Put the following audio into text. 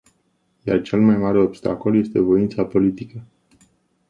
Iar cel mai mare obstacol este voința politică.